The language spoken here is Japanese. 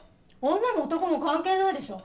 女も男も関係ないでしょ。